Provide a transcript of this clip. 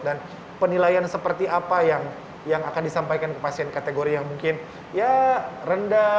dan penilaian seperti apa yang akan disampaikan ke pasien kategori yang mungkin rendah